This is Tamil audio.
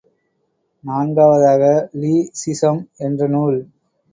நான்காவதாக, லீ ஸிஸம் என்ற நூல்.